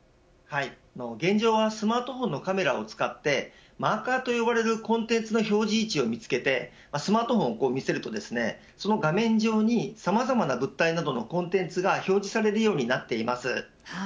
現状はスマートフォンのカメラを使ってマーカーと呼ばれるコンテンツの表示位置を見つけてスマートフォンを見せるとその画面上に、さまざまな物体などのコンテンツが表示されるようになっています。